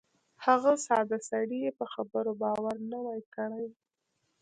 هغه ساده سړي یې په خبرو باور نه وای کړی.